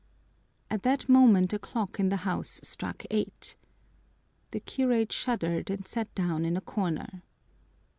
At that moment a clock in the house struck eight. The curate shuddered and sat down in a corner.